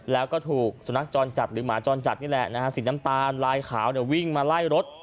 แล้วก็ถูกสุนัขจรจัดหรือหมาจรจัดนี่แหละนะฮะสีน้ำตาลลายขาววิ่งมาไล่รถ